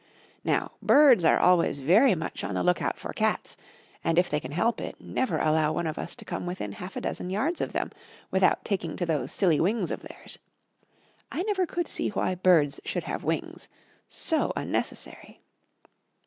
Now birds are always very much on the look out for cats, and, if they can help it, never allow one of us to come within half a dozen yards of them without taking to those silly wings of theirs. I never could see why birds should have wings so unnecessary.